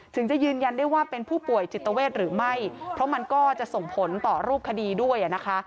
จะยืนยันได้ว่าเป็นผู้ป่วยจิตเวทหรือไม่เพราะมันก็จะส่งผลต่อรูปคดีด้วยนะคะ